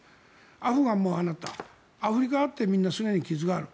アフガンもああなったアフリカだってすねに傷がある。